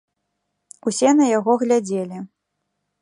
Усе на яго глядзелі.